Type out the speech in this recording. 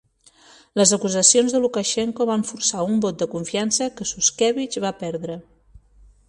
Les acusacions de Lukashenko van forçar un vot de confiança, que Shushkevich va perdre.